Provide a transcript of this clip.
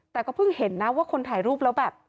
แต่ก็เพิ่งเห็นนะว่าคนถ่ายรูปแล้วแบบ